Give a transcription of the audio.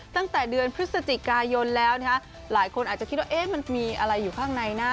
ตั้งแต่เดือนพฤศจิกายนแล้วหลายคนอาจจะคิดว่ามันมีอะไรอยู่ข้างในนะ